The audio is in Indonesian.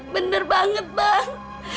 bener banget bang